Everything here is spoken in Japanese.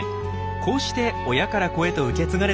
こうして親から子へと受け継がれてきたんです。